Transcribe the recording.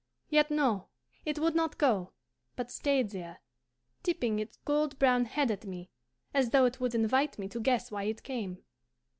Yet no, it would not go, but stayed there, tipping its gold brown head at me as though it would invite me to guess why it came.